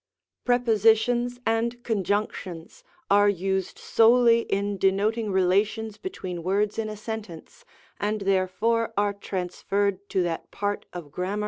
Prepositions and Conjunctions are used solely in de noting relations between words in a sentence, and therefore are transferred to that part of grammar which treats of the sentence.